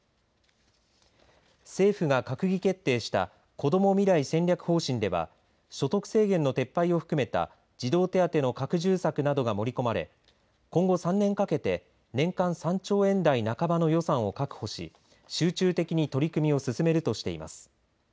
政府が閣議決定したこども未来戦略方針では所得制限の撤廃を含めた児童手当の拡充策などが盛り込まれ今後３年かけて年間３兆円台半ばの予算を確保し集中的に取り組みを進めるとしています。